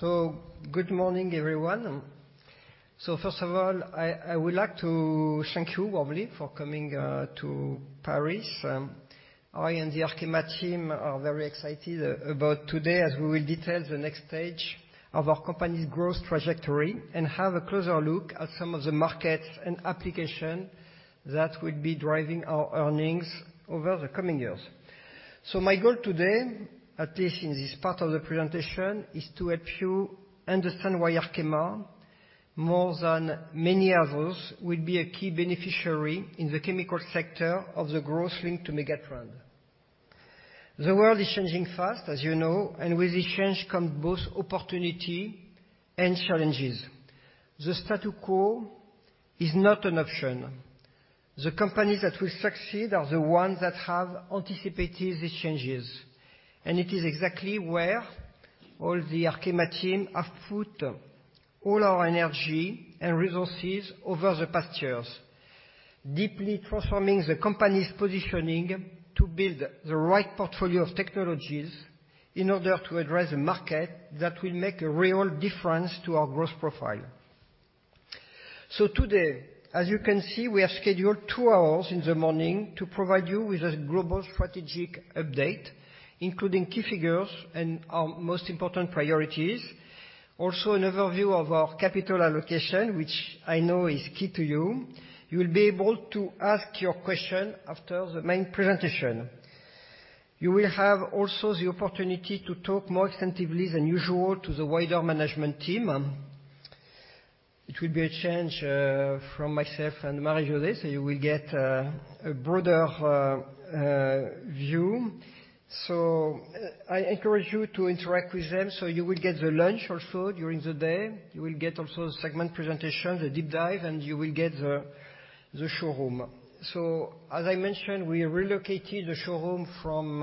Good morning, everyone. First of all, I, I would like to thank you, obviously, for coming to Paris. I and the Arkema team are very excited about today, as we will detail the next stage of our company's growth trajectory and have a closer look at some of the markets and application that will be driving our earnings over the coming years. My goal today, at least in this part of the presentation, is to help you understand why Arkema, more than many others, will be a key beneficiary in the chemical sector of the growth linked to megatrend. The world is changing fast, as you know, and with this change come both opportunity and challenges. The status quo is not an option. The companies that will succeed are the ones that have anticipated these changes, and it is exactly where all the Arkema team have put all our energy and resources over the past years. Deeply transforming the company's positioning to build the right portfolio of technologies in order to address a market that will make a real difference to our growth profile. So today, as you can see, we have scheduled two hours in the morning to provide you with a global strategic update, including key figures and our most important priorities. Also, an overview of our capital allocation, which I know is key to you. You will be able to ask your question after the main presentation. You will have also the opportunity to talk more extensively than usual to the wider management team. It will be a change from myself and Marie-José, so you will get a broader view. So I encourage you to interact with them. So you will get the lunch also during the day. You will get also the segment presentation, the deep dive, and you will get the showroom. So as I mentioned, we relocated the showroom from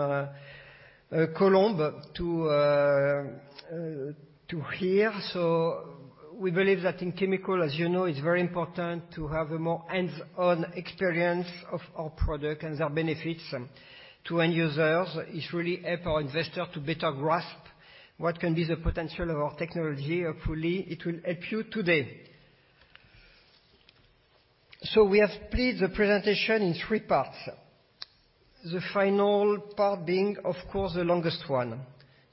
Colombes to here. So we believe that in chemical, as you know, it's very important to have a more hands-on experience of our product and their benefits to end users. It's really help our investor to better grasp what can be the potential of our technology. Hopefully, it will help you today. So we have split the presentation in three parts. The final part being, of course, the longest one.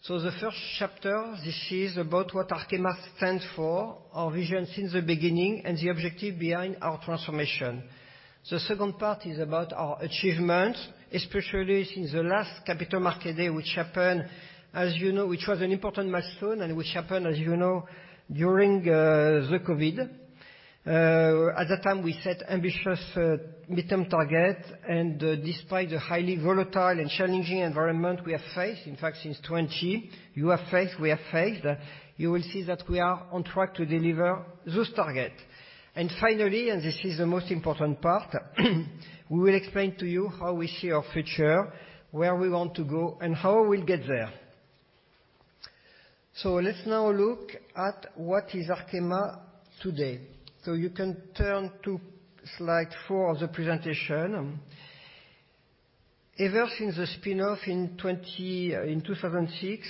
So the first chapter, this is about what Arkema stands for, our vision since the beginning, and the objective behind our transformation. The second part is about our achievements, especially since the last Capital Markets Day, which happened, as you know, which was an important milestone and which happened, as you know, during the COVID. At that time, we set ambitious midterm target, and despite the highly volatile and challenging environment we have faced, in fact, since 2020, you have faced, we have faced, you will see that we are on track to deliver this target. And finally, and this is the most important part, we will explain to you how we see our future, where we want to go, and how we'll get there. So let's now look at what is Arkema today. So you can turn to slide four of the presentation. Ever since the spin-off in 2006,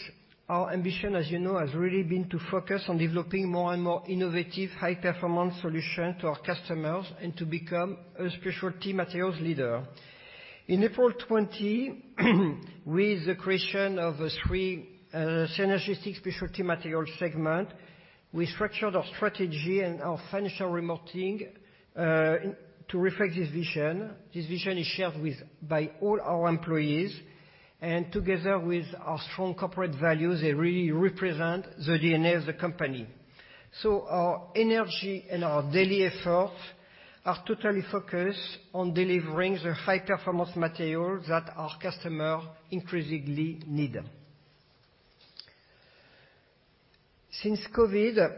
our ambition, as you know, has really been to focus on developing more and more innovative, high-performance solutions to our customers and to become a specialty materials leader. In April 2020, with the creation of the three synergistic specialty material segment, we structured our strategy and our financial reporting to reflect this vision. This vision is shared by all our employees, and together with our strong corporate values, they really represent the DNA of the company. So our energy and our daily efforts are totally focused on delivering the high-performance material that our customer increasingly need. Since COVID,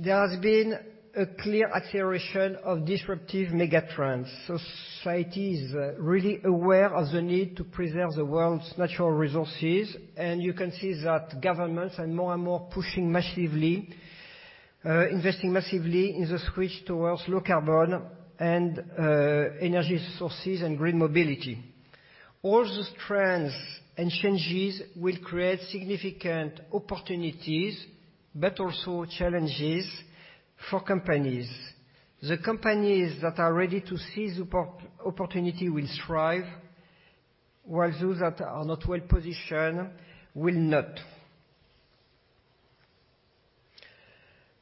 there has been a clear acceleration of disruptive megatrends. Society is really aware of the need to preserve the world's natural resources, and you can see that governments are more and more pushing massively, investing massively in the switch towards low carbon and energy sources and green mobility. All these trends and changes will create significant opportunities, but also challenges for companies. The companies that are ready to seize opportunity will thrive, while those that are not well-positioned will not.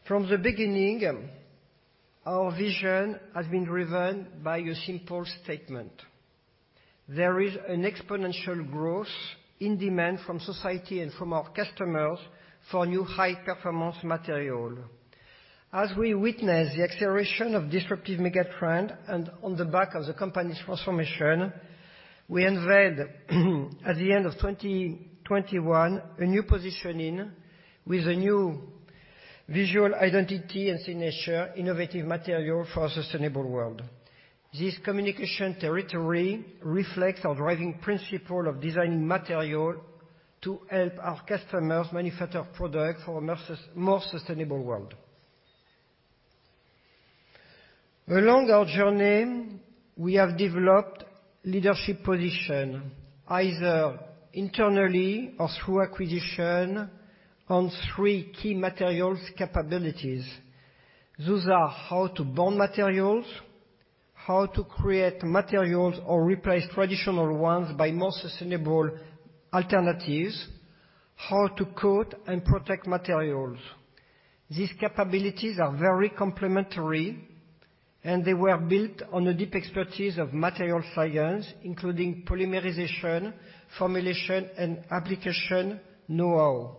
From the beginning, our vision has been driven by a simple statement: There is an exponential growth in demand from society and from our customers for new, high-performance material. As we witness the acceleration of disruptive megatrend and on the back of the company's transformation, we unveiled, at the end of 2021, a new positioning with a new visual identity and signature Innovative Materials for a Sustainable World. This communication territory reflects our driving principle of designing material to help our customers manufacture products for a more sustainable world... Along our journey, we have developed leadership position, either internally or through acquisition on three key materials capabilities. Those are how to bond materials, how to create materials or replace traditional ones by more sustainable alternatives, how to coat and protect materials. These capabilities are very complementary, and they were built on a deep expertise of material science, including polymerization, formulation, and application know-how,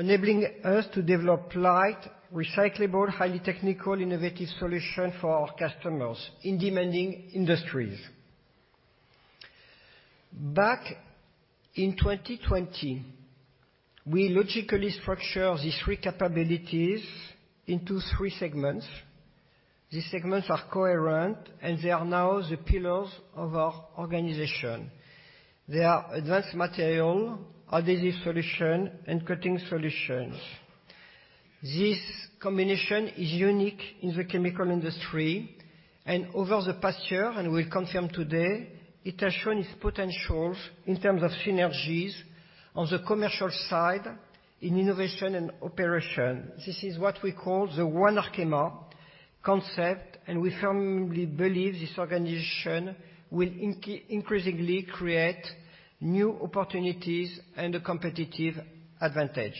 enabling us to develop light, recyclable, highly technical, innovative solution for our customers in demanding industries. Back in 2020, we logically structure these three capabilities into three segments. These segments are coherent, and they are now the pillars of our organization. They are Advanced Materials, Adhesive Solutions, and Coating Solutions. This combination is unique in the chemical industry, and over the past year, and we confirm today, it has shown its potentials in terms of synergies on the commercial side, in innovation and operation. This is what we call the One Arkema concept, and we firmly believe this organization will increasingly create new opportunities and a competitive advantage.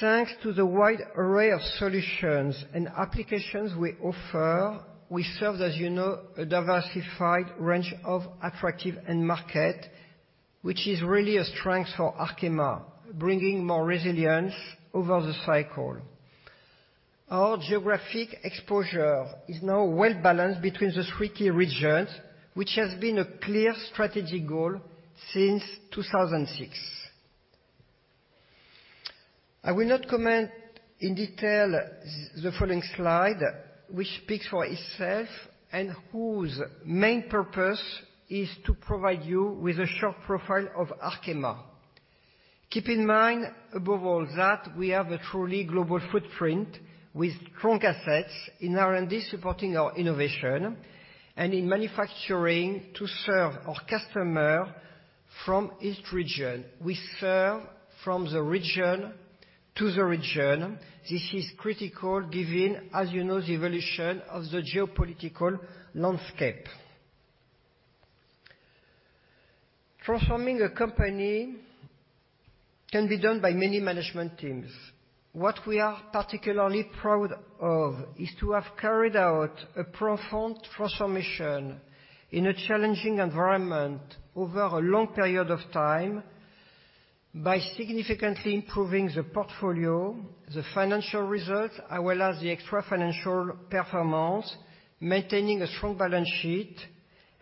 Thanks to the wide array of solutions and applications we offer, we serve, as you know, a diversified range of attractive end market, which is really a strength for Arkema, bringing more resilience over the cycle. Our geographic exposure is now well-balanced between the three key regions, which has been a clear strategic goal since 2006. I will not comment in detail the following slide, which speaks for itself and whose main purpose is to provide you with a short profile of Arkema. Keep in mind, above all, that we have a truly global footprint with strong assets in R&D, supporting our innovation and in manufacturing to serve our customer from each region. We serve from the region to the region. This is critical, given, as you know, the evolution of the geopolitical landscape. Transforming a company can be done by many management teams. What we are particularly proud of is to have carried out a profound transformation in a challenging environment over a long period of time by significantly improving the portfolio, the financial results, as well as the extra financial performance, maintaining a strong balance sheet,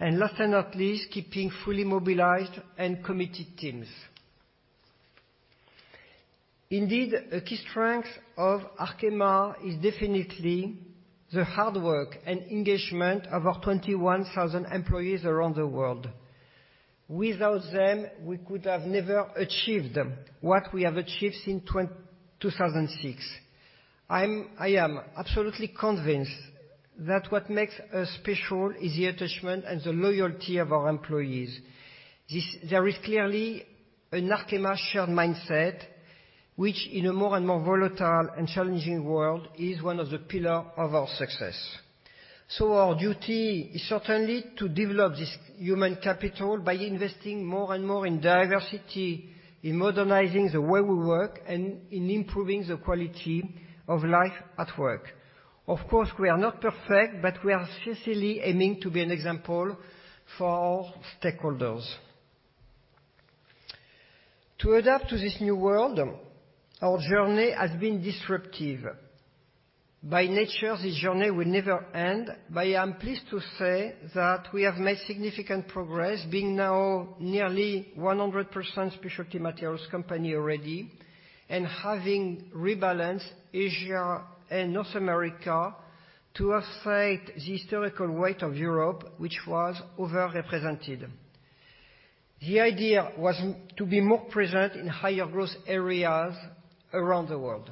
and last but not least, keeping fully mobilized and committed teams. Indeed, a key strength of Arkema is definitely the hard work and engagement of our 21,000 employees around the world. Without them, we could have never achieved them, what we have achieved since 2006. I am absolutely convinced that what makes us special is the attachment and the loyalty of our employees. There is clearly an Arkema shared mindset, which in a more and more volatile and challenging world, is one of the pillar of our success. So our duty is certainly to develop this human capital by investing more and more in diversity, in modernizing the way we work, and in improving the quality of life at work. Of course, we are not perfect, but we are sincerely aiming to be an example for all stakeholders. To adapt to this new world, our journey has been disruptive. By nature, this journey will never end, but I am pleased to say that we have made significant progress, being now nearly 100% specialty materials company already, and having rebalanced Asia and North America to affect the historical weight of Europe, which was overrepresented. The idea was to be more present in higher growth areas around the world.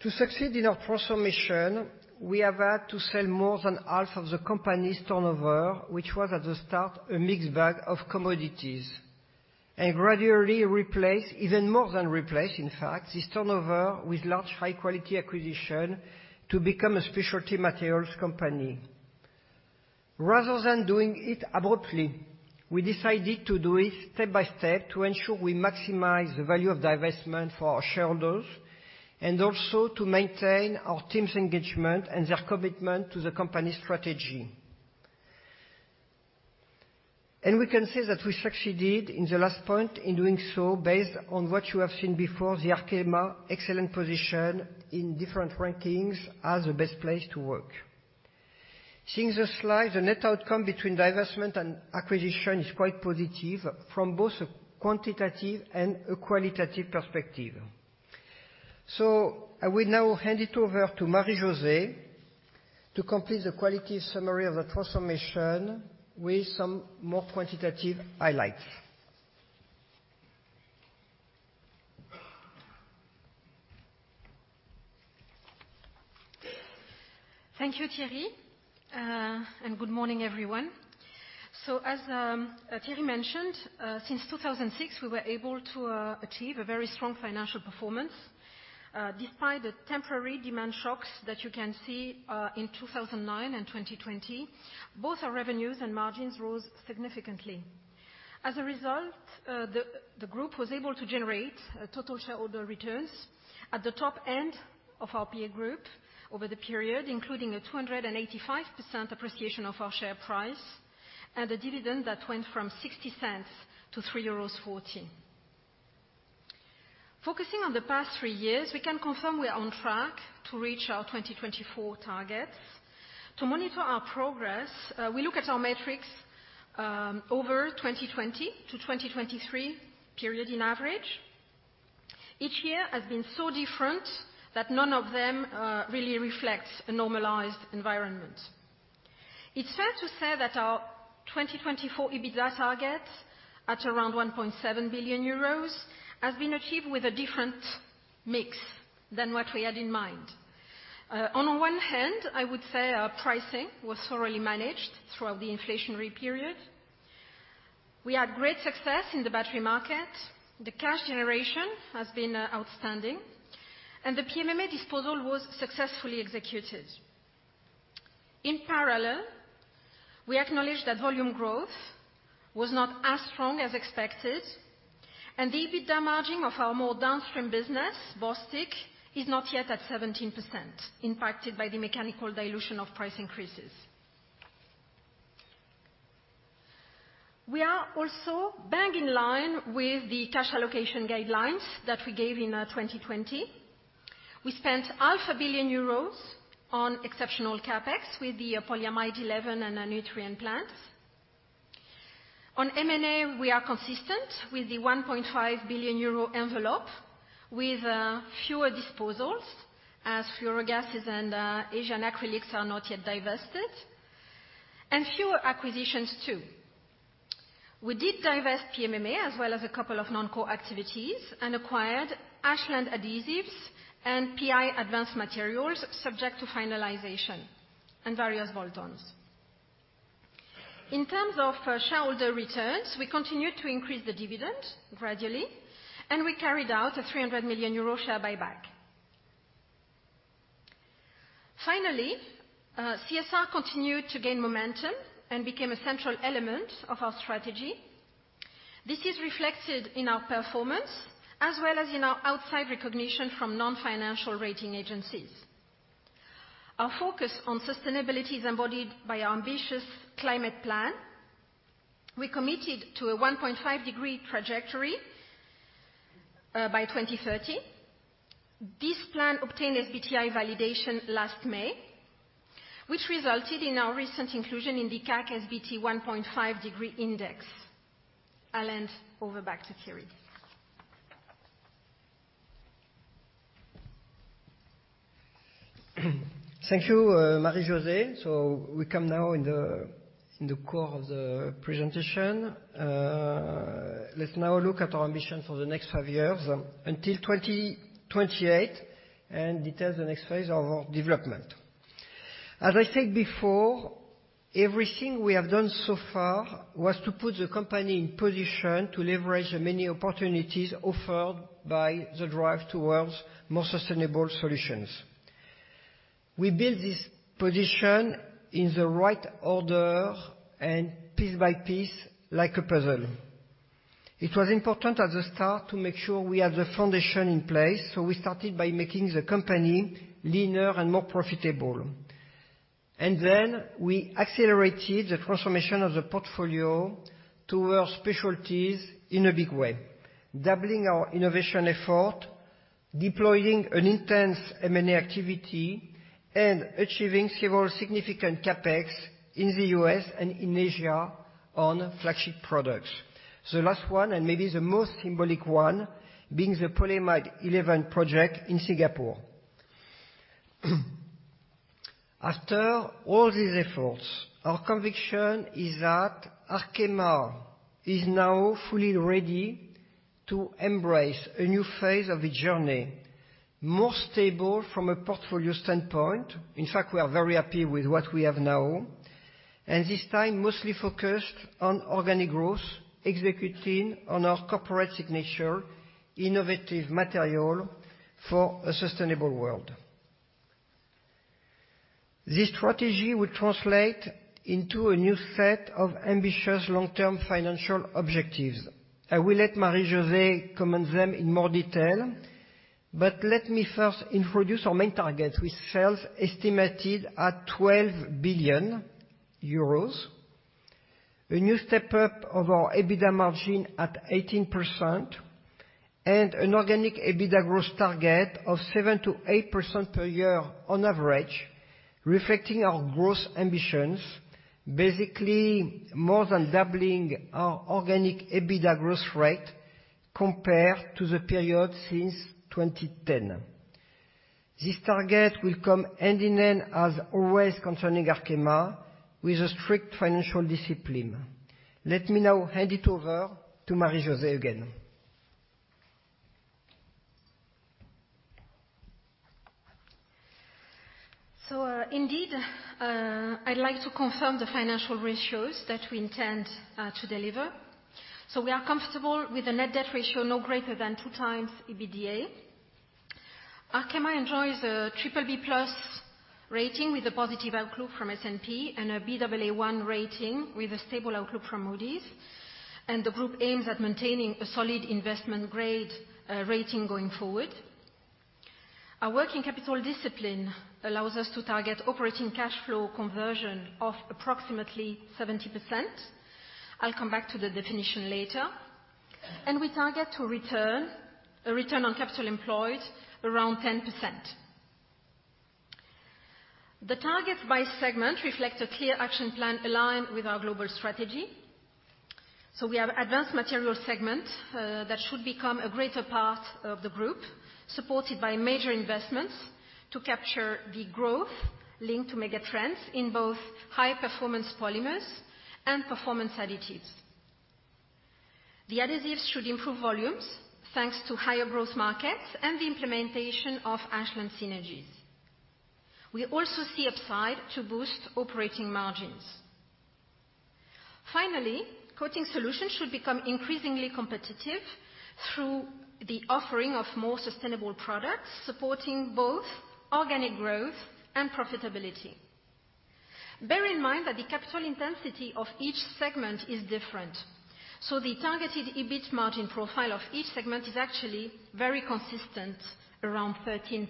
To succeed in our transformation, we have had to sell more than half of the company's turnover, which was, at the start, a mixed bag of commodities, and gradually replace, even more than replace, in fact, this turnover with large, high-quality acquisition to become a specialty materials company. Rather than doing it abruptly, we decided to do it step by step to ensure we maximize the value of divestment for our shareholders, and also to maintain our team's engagement and their commitment to the company's strategy. We can say that we succeeded in the last point in doing so, based on what you have seen before, the Arkema excellent position in different rankings as the best place to work. Seeing the slide, the net outcome between divestment and acquisition is quite positive from both a quantitative and a qualitative perspective. I will now hand it over to Marie-José to complete the qualitative summary of the transformation with some more quantitative highlights. Thank you, Thierry, and good morning, everyone. So as Thierry mentioned, since 2006, we were able to achieve a very strong financial performance. Despite the temporary demand shocks that you can see in 2009 and 2020, both our revenues and margins rose significantly. As a result, the group was able to generate a total shareholder returns at the top end of our peer group over the period, including a 285% appreciation of our share price, and a dividend that went from 0.60-3.14. Focusing on the past three years, we can confirm we are on track to reach our 2024 targets. To monitor our progress, we look at our metrics over 2020 to 2023 period in average. Each year has been so different that none of them really reflects a normalized environment. It's fair to say that our 2024 EBITDA target, at around 1.7 billion euros, has been achieved with a different mix than what we had in mind. On one hand, I would say our pricing was thoroughly managed throughout the inflationary period. We had great success in the battery market. The cash generation has been outstanding, and the PMMA disposal was successfully executed. In parallel, we acknowledge that volume growth was not as strong as expected, and the EBITDA margin of our more downstream business, Bostik, is not yet at 17%, impacted by the mechanical dilution of price increases. We are also bang in line with the cash allocation guidelines that we gave in 2020. We spent 500 million euros on exceptional CapEx with the polyamide 11 and our Nutrien plants. On M&A, we are consistent with the 1.5 billion euro envelope, with fewer disposals, as Fluorogases and Asian Acrylics are not yet divested, and fewer acquisitions, too. We did divest PMMA, as well as a couple of non-core activities, and acquired Ashland Adhesives and PI Advanced Materials, subject to finalization and various bolt-ons. In terms of shareholder returns, we continued to increase the dividend gradually, and we carried out a 300 million euro share buyback. Finally, CSR continued to gain momentum and became a central element of our strategy. This is reflected in our performance, as well as in our outside recognition from non-financial rating agencies. Our focus on sustainability is embodied by our ambitious climate plan. We committed to a 1.5-degree trajectory by 2030. This plan obtained SBTi validation last May, which resulted in our recent inclusion in the CAC SBT 1.5-degree index. I'll hand over back to Thierry. Thank you, Marie-José. So we come now in the core of the presentation. Let's now look at our ambition for the next five years, until 2028, and detail the next phase of our development. As I said before, everything we have done so far was to put the company in position to leverage the many opportunities offered by the drive towards more sustainable solutions. We built this position in the right order and piece by piece, like a puzzle. It was important at the start to make sure we had the foundation in place, so we started by making the company leaner and more profitable. And then we accelerated the transformation of the portfolio towards specialties in a big way, doubling our innovation effort, deploying an intense M&A activity, and achieving several significant CapEx in the U.S. and in Asia on flagship products. The last one, and maybe the most symbolic one, being the polyamide 11 project in Singapore. After all these efforts, our conviction is that Arkema is now fully ready to embrace a new phase of the journey, more stable from a portfolio standpoint. In fact, we are very happy with what we have now, and this time mostly focused on organic growth, executing on our corporate signature, Innovative Materials for a Sustainable World. This strategy will translate into a new set of ambitious long-term financial objectives. I will let Marie-José comment them in more detail, but let me first introduce our main targets, with sales estimated at 12 billion euros, a new step-up of our EBITDA margin at 18%, and an organic EBITDA growth target of 7%-8% per year on average, reflecting our growth ambitions-... Basically, more than doubling our organic EBITDA growth rate compared to the period since 2010. This target will come hand in hand, as always, concerning Arkema, with a strict financial discipline. Let me now hand it over to Marie-José again. So, indeed, I'd like to confirm the financial ratios that we intend to deliver. So we are comfortable with a net debt ratio no greater than 2x EBITDA. Arkema enjoys a BBB+ rating with a positive outlook from S&P and a Baa1 rating with a stable outlook from Moody's. The group aims at maintaining a solid investment grade rating going forward. Our working capital discipline allows us to target operating cash flow conversion of approximately 70%. I'll come back to the definition later. We target to return a return on capital employed around 10%. The targets by segment reflect a clear action plan aligned with our global strategy. So we have Advanced Materials segment that should become a greater part of the group, supported by major investments to capture the growth linked to megatrends in both high-performance polymers and performance additives. The adhesives should improve volumes, thanks to higher growth markets and the implementation of Ashland synergies. We also see upside to boost operating margins. Finally, Coating Solutions should become increasingly competitive through the offering of more sustainable products, supporting both organic growth and profitability. Bear in mind that the capital intensity of each segment is different, so the targeted EBIT margin profile of each segment is actually very consistent, around 13%.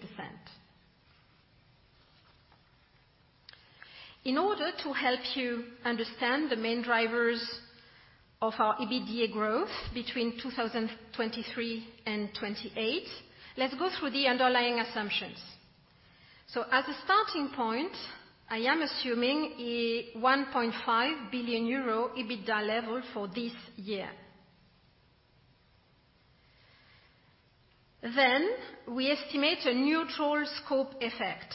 In order to help you understand the main drivers of our EBITDA growth between 2023 and 2028, let's go through the underlying assumptions. As a starting point, I am assuming a 1.5 billion euro EBITDA level for this year. Then, we estimate a neutral scope effect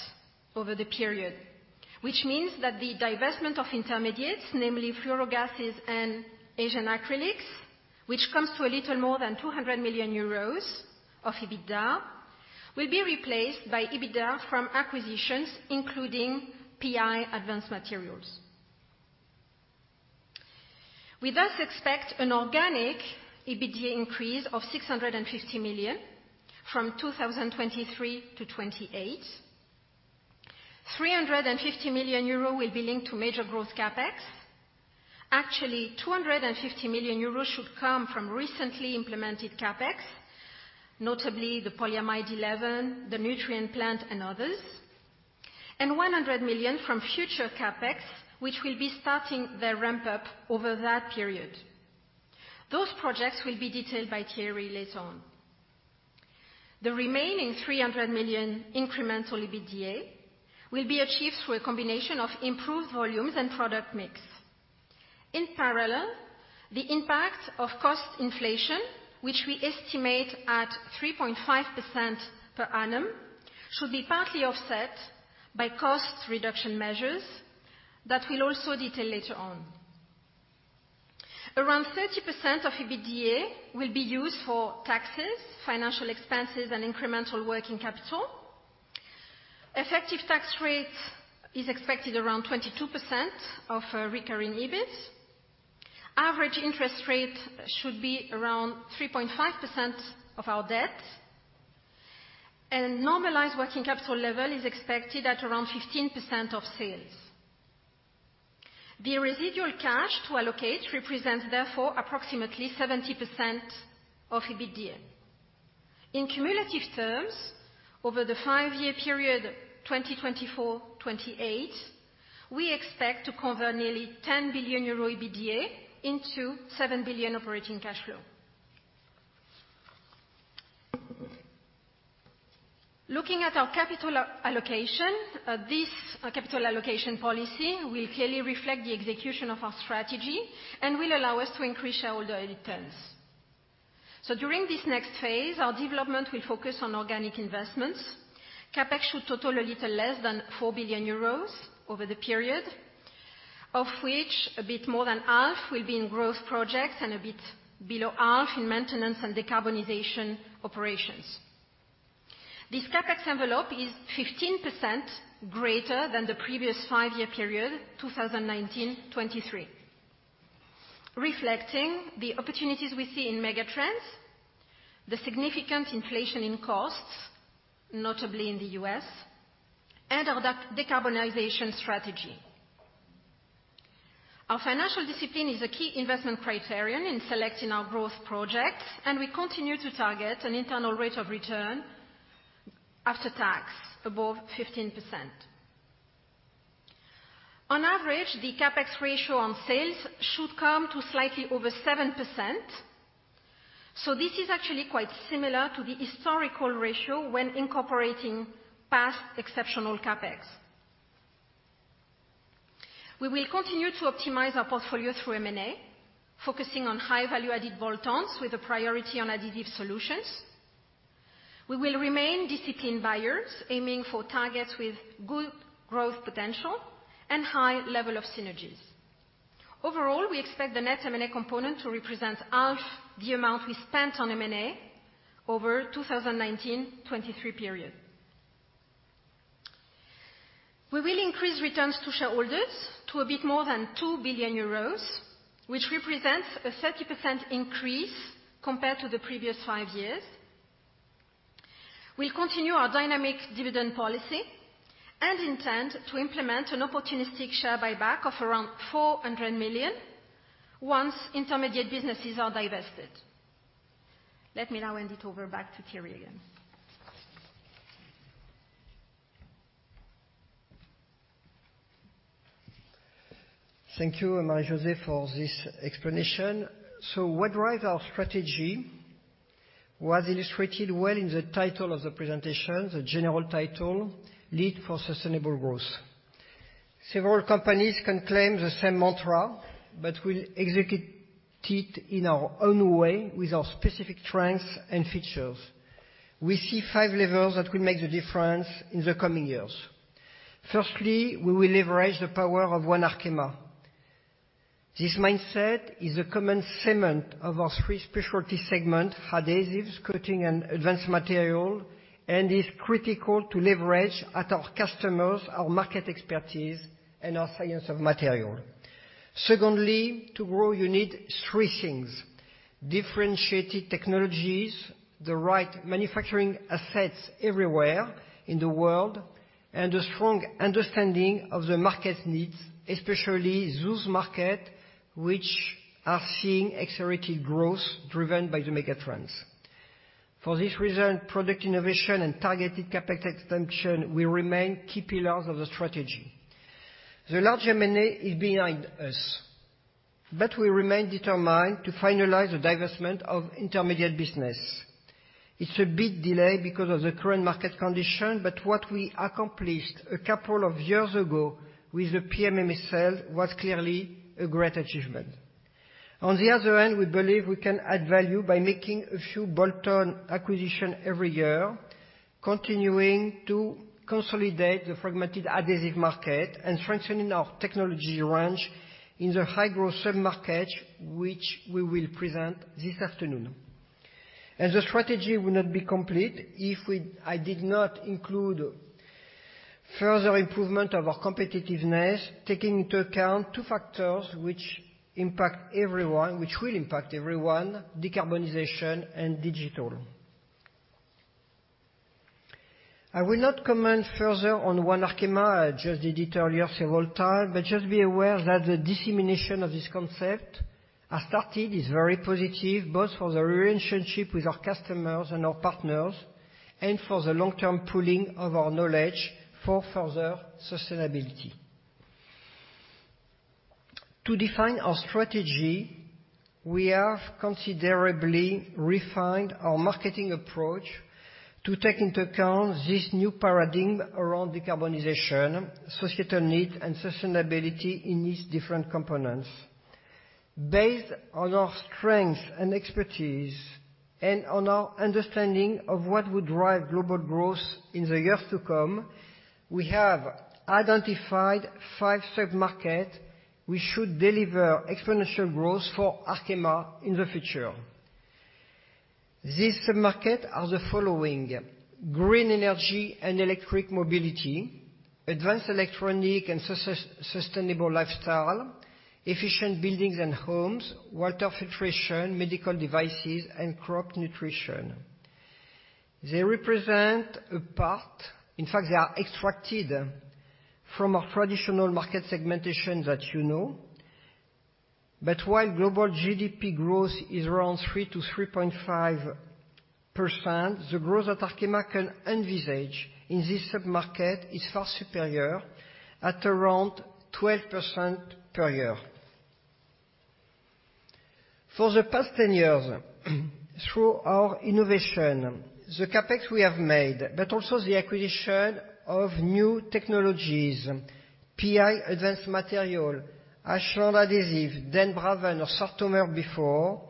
over the period, which means that the divestment of intermediates, namely Fluorogases and Asian Acrylics, which comes to a little more than 200 million euros of EBITDA, will be replaced by EBITDA from acquisitions, including PI Advanced Materials. We thus expect an organic EBITDA increase of 650 million from 2023 to 2028. 350 million euro will be linked to major growth CapEx. Actually, 250 million euro should come from recently implemented CapEx, notably the polyamide 11, the Nutrien plant and others, and 100 million from future CapEx, which will be starting their ramp up over that period. Those projects will be detailed by Thierry later on. The remaining 300 million incremental EBITDA will be achieved through a combination of improved volumes and product mix. In parallel, the impact of cost inflation, which we estimate at 3.5% per annum, should be partly offset by cost reduction measures that we'll also detail later on. Around 30% of EBITDA will be used for taxes, financial expenses and incremental working capital. Effective tax rate is expected around 22% of recurring EBIT. Average interest rate should be around 3.5% of our debt, and normalized working capital level is expected at around 15% of sales. The residual cash to allocate represents therefore approximately 70% of EBITDA. In cumulative terms, over the 5-year period, 2024-2028, we expect to convert nearly 10 billion euro EBITDA into 7 billion operating cash flow. Looking at our capital allocation, this capital allocation policy will clearly reflect the execution of our strategy and will allow us to increase shareholder returns. During this next phase, our development will focus on organic investments. CapEx should total a little less than 4 billion euros over the period, of which a bit more than half will be in growth projects and a bit below half in maintenance and decarbonization operations. This CapEx envelope is 15% greater than the previous five-year period, 2019-2023, reflecting the opportunities we see in mega trends, the significant inflation in costs, notably in the U.S., and our decarbonization strategy. Our financial discipline is a key investment criterion in selecting our growth projects, and we continue to target an internal rate of return after tax above 15%. On average, the CapEx ratio on sales should come to slightly over 7%.... So this is actually quite similar to the historical ratio when incorporating past exceptional CapEx. We will continue to optimize our portfolio through M&A, focusing on high value-added bolt-ons with a priority on adhesive solutions. We will remain disciplined buyers, aiming for targets with good growth potential and high level of synergies. Overall, we expect the net M&A component to represent half the amount we spent on M&A over 2019-2023 period. We will increase returns to shareholders to a bit more than 2 billion euros, which represents a 30% increase compared to the previous five years. We'll continue our dynamic dividend policy and intend to implement an opportunistic share buyback of around 400 million once intermediate businesses are divested. Let me now hand it over back to Thierry again. Thank you, Marie-José, for this explanation. So what drives our strategy was illustrated well in the title of the presentation, the general title, Lead for Sustainable Growth. Several companies can claim the same mantra, but we'll execute it in our own way with our specific strengths and features. We see five levels that will make the difference in the coming years. Firstly, we will leverage the power of One Arkema. This mindset is a common segment of our three specialty segment, adhesives, coating, and advanced material, and is critical to leverage at our customers, our market expertise, and our science of material. Secondly, to grow, you need three things: differentiated technologies, the right manufacturing assets everywhere in the world, and a strong understanding of the market needs, especially those market which are seeing accelerated growth driven by the mega trends. For this reason, product innovation and targeted capacity expansion will remain key pillars of the strategy. The large M&A is behind us, but we remain determined to finalize the divestment of intermediate business. It's a big delay because of the current market condition, but what we accomplished a couple of years ago with the PMMA sale was clearly a great achievement. On the other hand, we believe we can add value by making a few bolt-on acquisition every year, continuing to consolidate the fragmented adhesive market and strengthening our technology range in the high-growth sub-market, which we will present this afternoon. The strategy will not be complete if I did not include further improvement of our competitiveness, taking into account two factors which impact everyone, which will impact everyone: decarbonization and digital. I will not comment further on One Arkema. I just did it earlier several times, but just be aware that the dissemination of this concept has started, is very positive, both for the relationship with our customers and our partners, and for the long-term pooling of our knowledge for further sustainability. To define our strategy, we have considerably refined our marketing approach to take into account this new paradigm around decarbonization, societal need, and sustainability in these different components. Based on our strength and expertise and on our understanding of what would drive global growth in the years to come, we have identified five sub-markets which should deliver exponential growth for Arkema in the future. These sub-markets are the following: green energy and electric mobility, advanced electronics and sustainable lifestyle, efficient buildings and homes, water filtration, medical devices, and crop nutrition. They represent a part... In fact, they are extracted from our traditional market segmentation that you know. But while global GDP growth is around 3%-3.5%, the growth that Arkema can envisage in this sub-market is far superior, at around 12% per year. For the past 10 years, through our innovation, the CapEx we have made, but also the acquisition of new technologies, PI Advanced Materials, Ashland Adhesives, then Bostik or Sartomer before,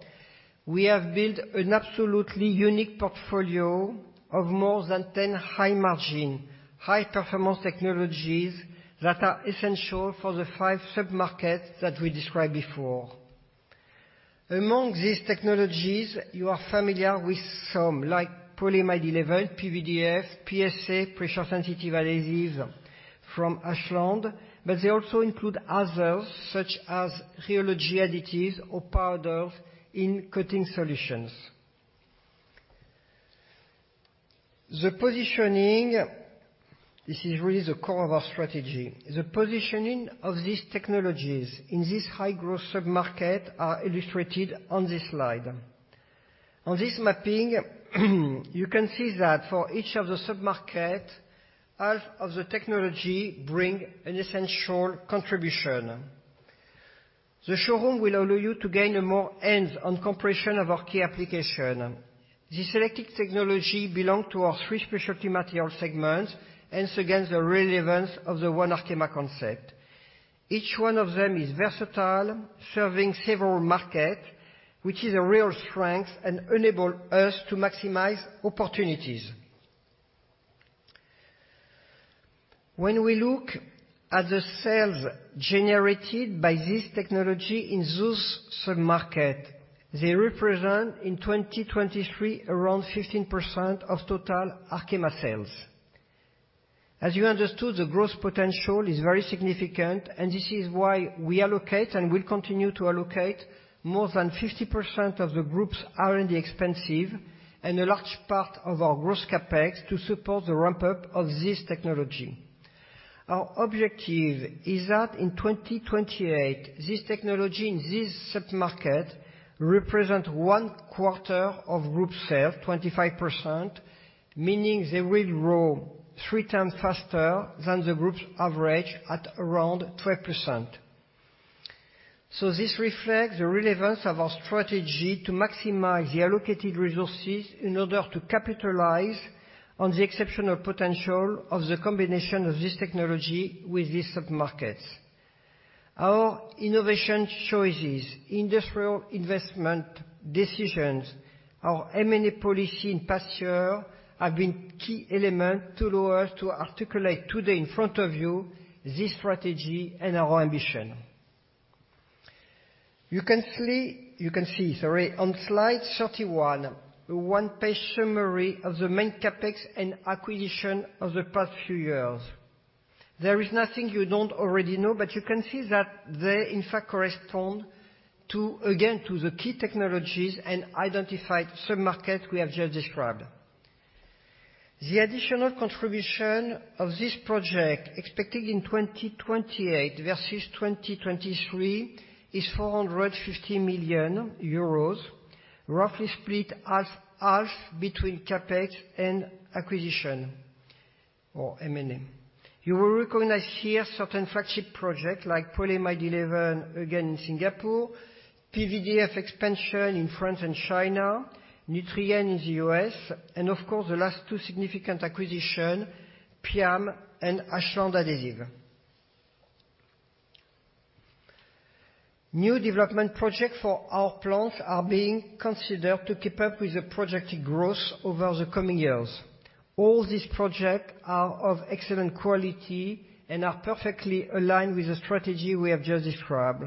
we have built an absolutely unique portfolio of more than 10 high-margin, high-performance technologies that are essential for the five sub-markets that we described before. Among these technologies, you are familiar with some, like polyamide 11, PVDF, PSA, Pressure Sensitive Adhesives from Ashland, but they also include others, such as rheology additives or powders in coating solutions. The positioning, this is really the core of our strategy. The positioning of these technologies in this high-growth sub-market are illustrated on this slide. On this mapping, you can see that for each of the sub-market, half of the technology bring an essential contribution.... The showroom will allow you to gain a more hands-on comprehension of our key application. The selected technology belong to our three specialty material segments, hence again, the relevance of the One Arkema concept. Each one of them is versatile, serving several market, which is a real strength and enable us to maximize opportunities. When we look at the sales generated by this technology in those sub-market, they represent, in 2023, around 15% of total Arkema sales. As you understood, the growth potential is very significant, and this is why we allocate and will continue to allocate more than 50% of the group's R&D expenses and a large part of our gross CapEx to support the ramp-up of this technology. Our objective is that in 2028, this technology in this sub-market represent 25% of group sales, 25%, meaning they will grow three times faster than the group's average at around 12%. So this reflects the relevance of our strategy to maximize the allocated resources in order to capitalize on the exceptional potential of the combination of this technology with these sub-markets. Our innovation choices, industrial investment decisions, our M&A policy in past year have been key element to allow us to articulate today in front of you, this strategy and our ambition. You can see, sorry, on slide 31, a one-page summary of the main CapEx and acquisitions of the past few years. There is nothing you don't already know, but you can see that they, in fact, correspond to, again, to the key technologies and identified sub-markets we have just described. The additional contribution of this project, expected in 2028 versus 2023, is 450 million euros, roughly split half-half between CapEx and acquisitions or M&A. You will recognize here certain flagship projects like polyamide 11, again, in Singapore, PVDF expansion in France and China, Nutrien in the U.S., and of course, the last two significant acquisitions, PIAM and Ashland Adhesives. New development projects for our plants are being considered to keep up with the projected growth over the coming years. All these projects are of excellent quality and are perfectly aligned with the strategy we have just described.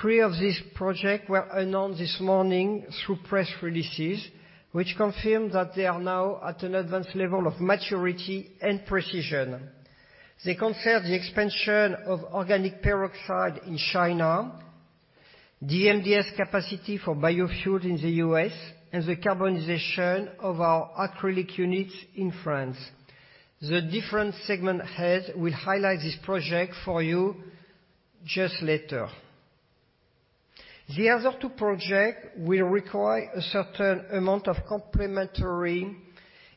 Three of these projects were announced this morning through press releases, which confirm that they are now at an advanced level of maturity and precision. They concern the expansion of organic peroxide in China, DMDS capacity for biofuel in the U.S., and the decarbonization of our acrylic units in France. The different segment heads will highlight this project for you just later. The other two projects will require a certain amount of complementary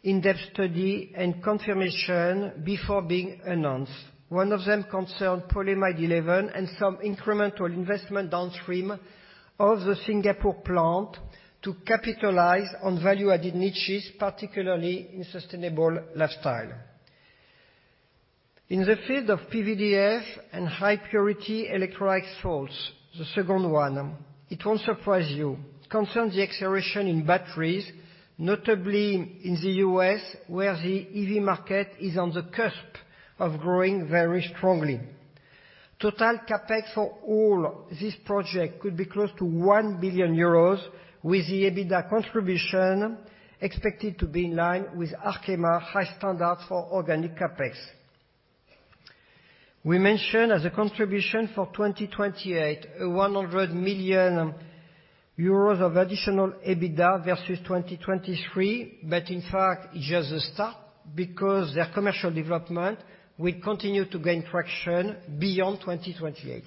in-depth study and confirmation before being announced. One of them concerns polyamide 11 and some incremental investment downstream of the Singapore plant to capitalize on value-added niches, particularly in sustainable lifestyle. In the field of PVDF and high purity electrolyte salts, the second one, it won't surprise you, concerns the acceleration in batteries, notably in the U.S., where the EV market is on the cusp of growing very strongly. Total CapEx for all this project could be close to 1 billion euros, with the EBITDA contribution expected to be in line with Arkema high standard for organic CapEx. We mentioned as a contribution for 2028, 100 million euros of additional EBITDA versus 2023, but in fact, it's just a start because their commercial development will continue to gain traction beyond 2028.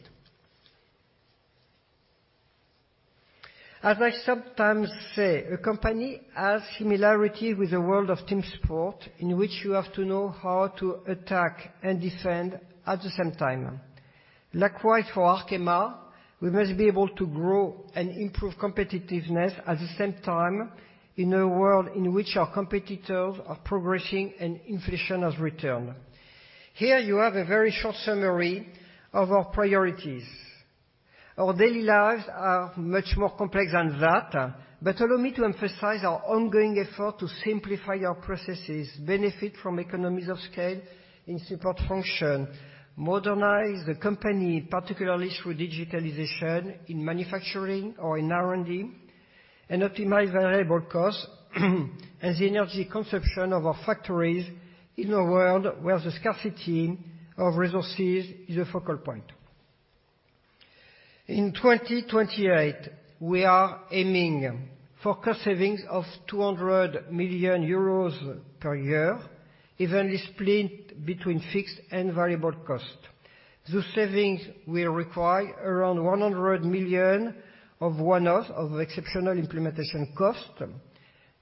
As I sometimes say, a company has similarity with the world of team sport, in which you have to know how to attack and defend at the same time. Likewise, for Arkema, we must be able to grow and improve competitiveness at the same time in a world in which our competitors are progressing and inflation has returned. Here, you have a very short summary of our priorities. Our daily lives are much more complex than that, but allow me to emphasize our ongoing effort to simplify our processes, benefit from economies of scale in support function, modernize the company, particularly through digitalization in manufacturing or in R&D, and optimize variable costs, as the energy consumption of our factories in a world where the scarcity of resources is a focal point. In 2028, we are aiming for cost savings of 200 million euros per year, evenly split between fixed and variable cost. Those savings will require around 100 million of one-off of exceptional implementation cost.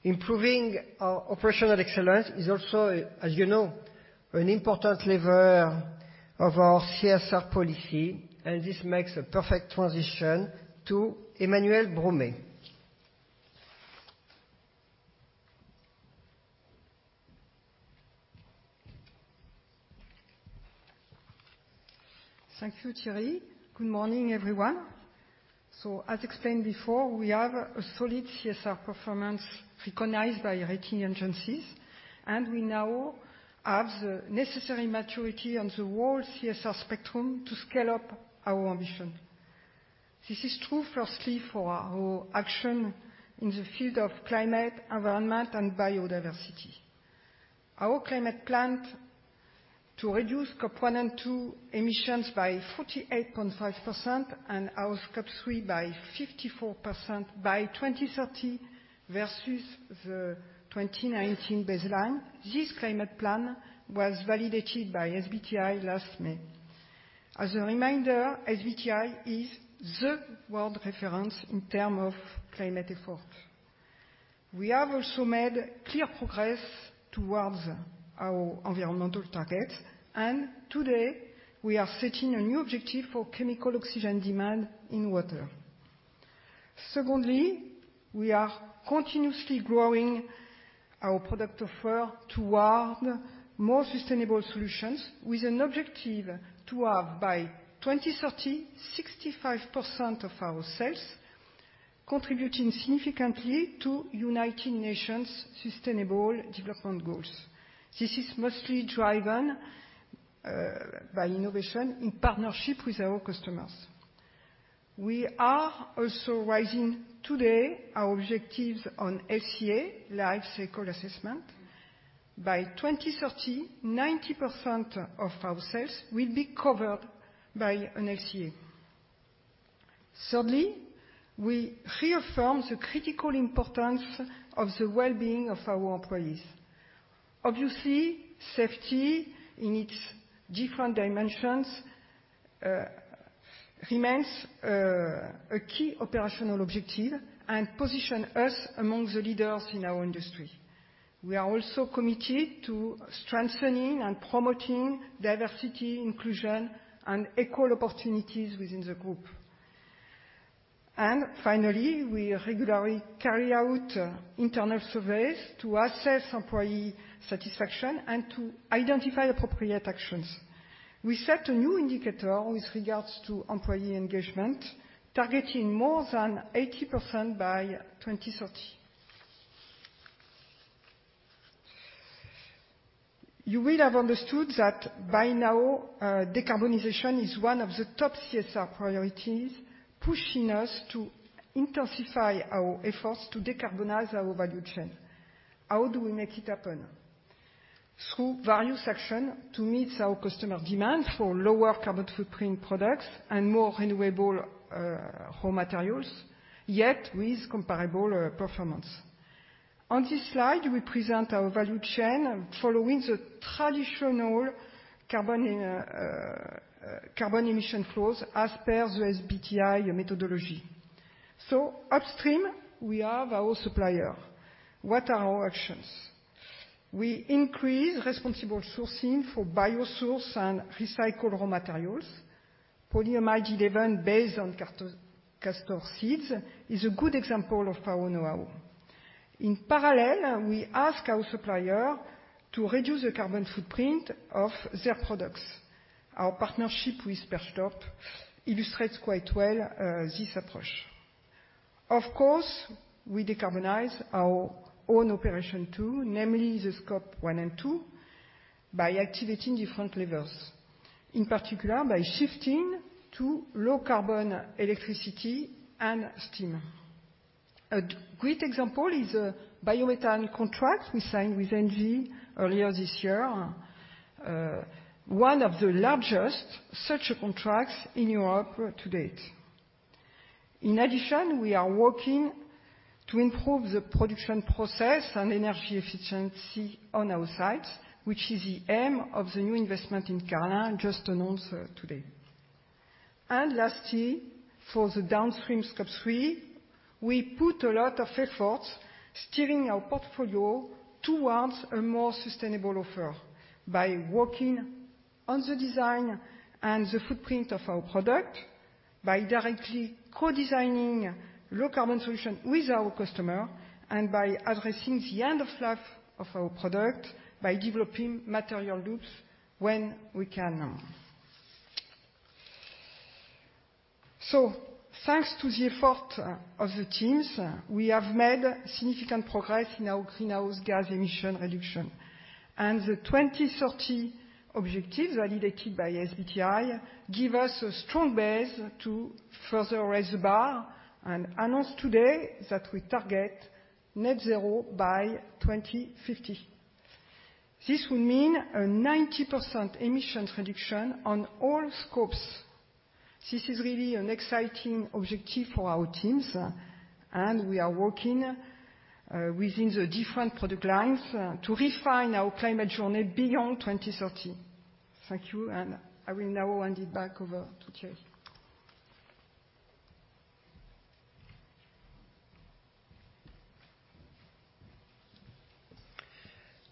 Improving our operational excellence is also, as you know, an important lever of our CSR policy, and this makes a perfect transition to Emmanuelle Bromet. Thank you, Thierry. Good morning, everyone. So as explained before, we have a solid CSR performance recognized by rating agencies, and we now have the necessary maturity on the whole CSR spectrum to scale up our ambition. This is true firstly for our action in the field of climate, environment and biodiversity. Our climate plan to reduce Scope 2 emissions by 48.5% and our Scope 3 by 54% by 2030 versus the 2019 baseline. This climate plan was validated by SBTi last May. As a reminder, SBTi is the world reference in terms of climate effort. We have also made clear progress towards our environmental target, and today we are setting a new objective for chemical oxygen demand in water. Secondly, we are continuously growing our product offer toward more sustainable solutions, with an objective to have, by 2030, 65% of our sales contributing significantly to United Nations Sustainable Development Goals. This is mostly driven by innovation in partnership with our customers. We are also raising today our objectives on LCA, Life Cycle Assessment. By 2030, 90% of our sales will be covered by an LCA. Thirdly, we reaffirm the critical importance of the well-being of our employees. Obviously, safety in its different dimensions remains a key operational objective and position us among the leaders in our industry. We are also committed to strengthening and promoting diversity, inclusion, and equal opportunities within the group. And finally, we regularly carry out internal surveys to assess employee satisfaction and to identify appropriate actions. We set a new indicator with regards to employee engagement, targeting more than 80% by 2030. You will have understood that by now, decarbonization is one of the top CSR priorities, pushing us to intensify our efforts to decarbonize our value chain. How do we make it happen? Through various action to meet our customer demand for lower carbon footprint products and more renewable, raw materials, yet with comparable, performance. On this slide, we present our value chain following the traditional carbon emission flows as per the SBTi methodology. So upstream, we have our supplier. What are our actions? We increase responsible sourcing for bio-sourced and recycled raw materials. Polyamide 11, based on castor seeds, is a good example of our know-how. In parallel, we ask our supplier to reduce the carbon footprint of their products. Our partnership with Perstorp illustrates quite well, this approach. Of course, we decarbonize our own operation, too, namely the Scope 1 and 2, by activating different levers, in particular, by shifting to low carbon electricity and steam. A great example is a biomethane contract we signed with ENGIE earlier this year, one of the largest such contracts in Europe to date. In addition, we are working to improve the production process and energy efficiency on our site, which is the aim of the new investment in Carling, just announced, today. And lastly, for the downstream Scope 3, we put a lot of efforts steering our portfolio towards a more sustainable offer by working on the design and the footprint of our product, by directly co-designing low carbon solution with our customer, and by addressing the end-of-life of our product, by developing material loops when we can. Thanks to the effort of the teams, we have made significant progress in our greenhouse gas emission reduction. The 2030 objectives, validated by SBTi, give us a strong base to further raise the bar and announce today that we target net zero by 2050. This will mean a 90% emission reduction on all scopes. This is really an exciting objective for our teams, and we are working within the different product lines to refine our climate journey beyond 2030. Thank you, and I will now hand it back over to Thierry....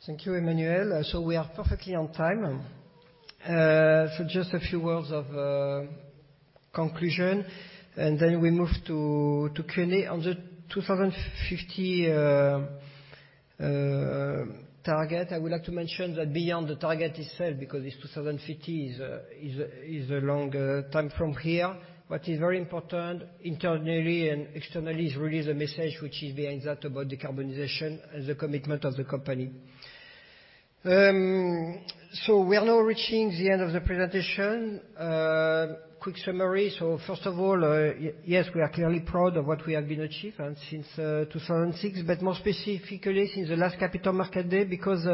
Thank you, Emmanuel. So we are perfectly on time. So just a few words of conclusion, and then we move to Q&A. On the 2050 target, I would like to mention that beyond the target itself, because this 2050 is a long time from here. What is very important internally and externally is really the message which is behind that about decarbonization and the commitment of the company. So we are now reaching the end of the presentation. Quick summary. So first of all, yes, we are clearly proud of what we have been achieved since 2006, but more specifically since the last Capital Markets Day, because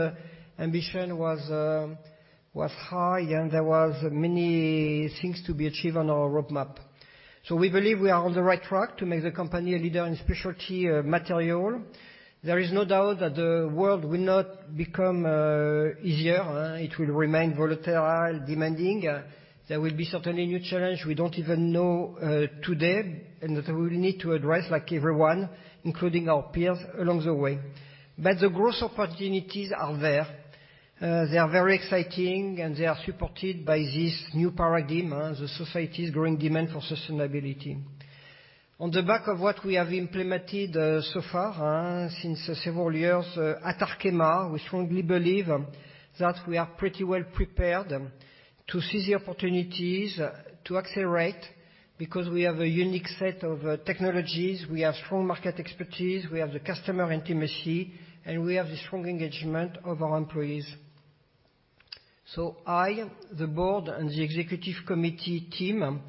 ambition was high and there was many things to be achieved on our roadmap. So we believe we are on the right track to make the company a leader in specialty material. There is no doubt that the world will not become easier. It will remain volatile, demanding. There will be certainly new challenge we don't even know today, and that we will need to address, like everyone, including our peers, along the way. But the growth opportunities are there. They are very exciting, and they are supported by this new paradigm, the society's growing demand for sustainability. On the back of what we have implemented so far since several years at Arkema, we strongly believe that we are pretty well prepared to seize the opportunities to accelerate, because we have a unique set of technologies, we have strong market expertise, we have the customer intimacy, and we have the strong engagement of our employees. I, the board, and the executive committee team,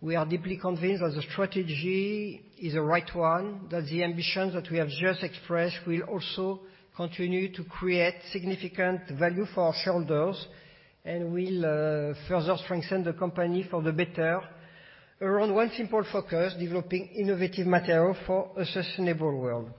we are deeply convinced that the strategy is the right one, that the ambitions that we have just expressed will also continue to create significant value for our shareholders, and will further strengthen the company for the better around one simple focus, developing Innovative Materials for a Sustainable World.